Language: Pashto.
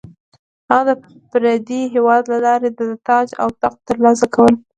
هغه د پردي هیواد له لارې د تاج او تخت ترلاسه کول رد کړل.